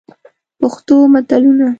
پښتو متلونه: